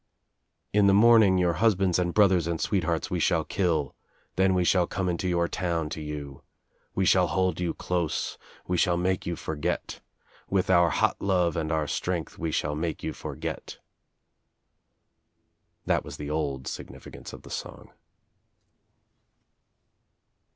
"In the morning your husbands and brothers and sweethearts we shall kill. Then we shall come into your town to you. We shall hold you close. We shall make you forget. With our hot love and our strength we shall make you for get." That was the old significance of the song.